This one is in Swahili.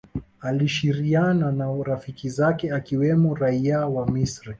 alishiriiiana na rafiki zake akiwemo Raia wa Misri